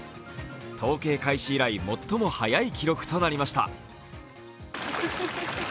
統計開始以来、最も早い記録となりました。